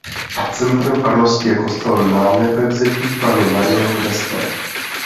Centrem farnosti je kostel Nanebevzetí Panny Marie v Desné.